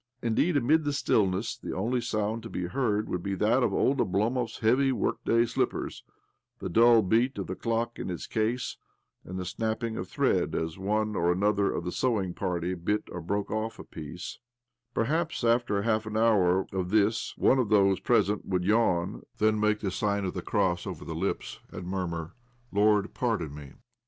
Indeed, amid the stillness the only sound to be heard would be that of old Oblomov's heavy, workaday slippers, the dull beat of the clock in its case, and the snapping of thread as one or another of the sewing party bit or broke off a piece, Perhaps after half an hour of this one of those present would yavim — then make the sign of the cross over the lips, and murmur :" Lord, pardon me